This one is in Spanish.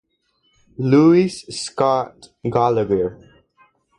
Louis Scott Gallagher.